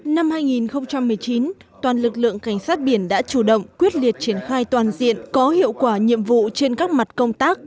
năm hai nghìn một mươi chín toàn lực lượng cảnh sát biển đã chủ động quyết liệt triển khai toàn diện có hiệu quả nhiệm vụ trên các mặt công tác